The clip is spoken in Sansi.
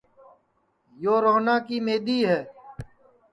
یو روہنا کی مِدؔی ہے